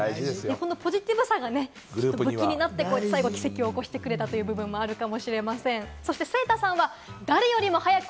このポジティブさが武器になって最後、奇跡を起こしてくれたかもしれません。